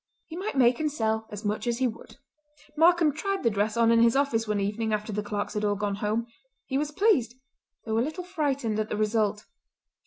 He might make and sell as much as he would. Markam tried the dress on in his office one evening after the clerks had all gone home. He was pleased, though a little frightened, at the result.